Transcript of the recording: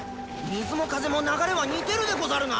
水も風も流れは似てるでござるな！